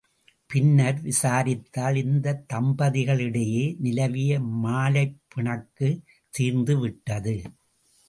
பின்னர் விசாரித்தால், இந்தத் தம்பதிகளிடையே நிலவிய மாலைப் பிணக்குத் தீர்ந்து விட்டது.